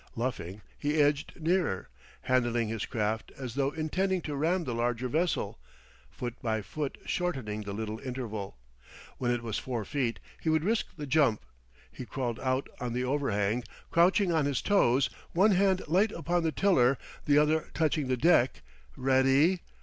Luffing, he edged nearer, handling his craft as though intending to ram the larger vessel, foot by foot shortening the little interval. When it was four feet, he would risk the jump; he crawled out on the overhang, crouching on his toes, one hand light upon the tiller, the other touching the deck, ready